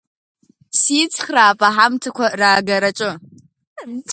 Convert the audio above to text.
Сицхраап аҳамҭақәа раагараҿы.